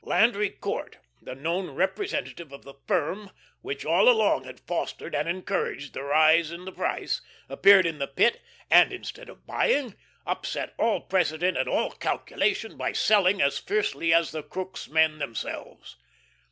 Landry Court, the known representative of the firm which all along had fostered and encouraged the rise in the price, appeared in the Pit, and instead of buying, upset all precedent and all calculation by selling as freely as the Crookes men themselves.